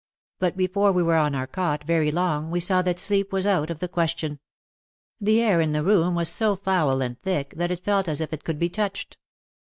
But before we were on our cot very long we saw that sleep was out of the question. The air in the room was so foul and thick that it felt as if it could be touched.